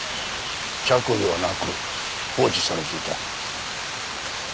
着衣はなく放置されていた。